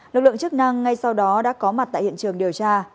lực lượng chức năng ngay sau đó đã có mặt tại hiện trường điều tra